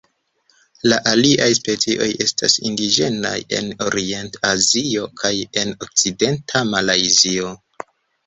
La aliaj specioj estas indiĝenaj en Orient-Azio kaj en okcidenta Malajzio.